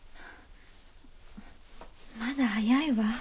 まだ早いわ。